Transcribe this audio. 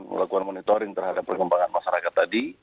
melakukan monitoring terhadap perkembangan masyarakat tadi